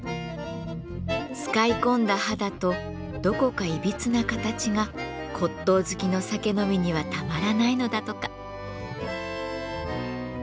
使い込んだ肌とどこかいびつな形が骨とう好きの酒飲みにはたまらないのだとか。